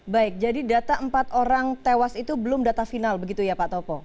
baik jadi data empat orang tewas itu belum data final begitu ya pak topo